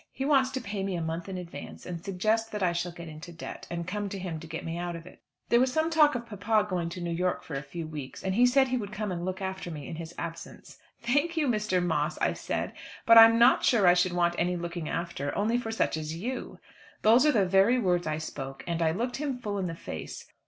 He wants to pay me a month in advance, and suggests that I shall get into debt, and come to him to get me out of it. There was some talk of papa going to New York for a few weeks, and he said he would come and look after me in his absence. "Thank you, Mr. Moss," I said, "but I'm not sure I should want any looking after, only for such as you." Those are the very words I spoke, and I looked him full in the face.